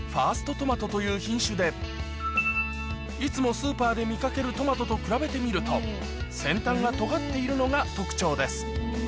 いつもスーパーで見掛けるトマトと比べてみると先端がとがっているのが特徴です